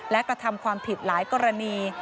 และกระทำความผิดหลายกรณี